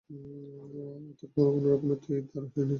অর্থাৎ কোন রকমেই তুই তোর হীন ও তুচ্ছ মর্যাদা অতিক্রম করতে পারবি না।